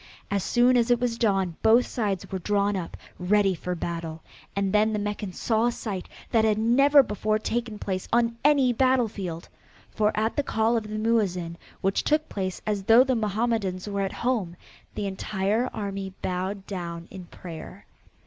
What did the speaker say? As soon as it was dawn both sides were drawn up ready for battle and then the Meccans saw a sight that had never before taken place on any battlefield for at the call of the Muezin, which took place as though the Mohammedans were at home, the entire army bowed down in prayer.